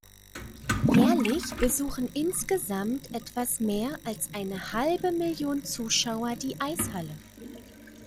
Jährlich besuchen insgesamt etwas mehr als eine halbe Million Zuschauer die Eishalle.